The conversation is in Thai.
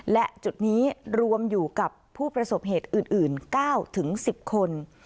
และจุดนี้รวมอยู่กับผู้ประสบเหตุอื่น๙๑๐คน